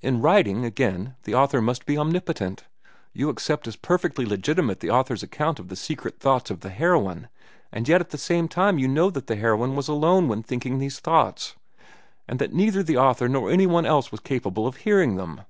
In writing, again, the author must be omnipotent. You accept as perfectly legitimate the author's account of the secret thoughts of the heroine, and yet all the time you know that the heroine was alone when thinking these thoughts, and that neither the author nor any one else was capable of hearing them.